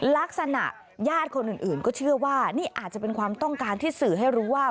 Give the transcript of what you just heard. ลักษณะญาติคนอื่นก็เชื่อว่านี่อาจจะเป็นความต้องการที่สื่อให้รู้ว่า